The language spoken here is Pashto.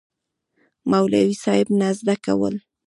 مولوي صېب نه زده کول